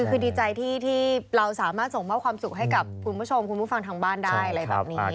คือดีใจที่เราสามารถส่งมอบความสุขให้กับคุณผู้ชมคุณผู้ฟังทางบ้านได้อะไรแบบนี้